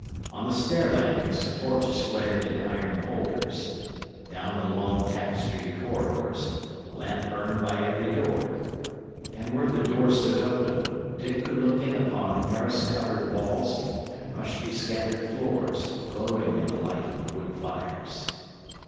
On the stair landings, torches flared in iron holders; down the long, tapestried corridors, a lamp burned by every door. And where the door stood open, Dick could look in upon arras covered walls and rush bescattered floors, glowing in the light of the wood fires.